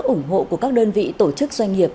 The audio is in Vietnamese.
ủng hộ của các đơn vị tổ chức doanh nghiệp